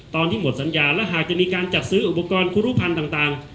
ตอนที่หมดสัญญาและหากจะมีการจัดซื้ออุปกรณ์ครูรุภัณฑ์ต่าง